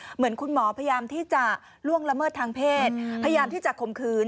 เหมือนคุณหมอพยายามที่จะล่วงละเมิดทางเพศพยายามที่จะข่มขืน